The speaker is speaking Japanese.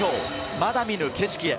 まだ見ぬ景色へ。